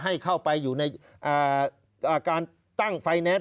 ให้เข้าไปอยู่ในการตั้งไฟแนนซ์